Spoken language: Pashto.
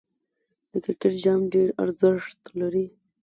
د کرکټ جام ډېر ارزښت لري.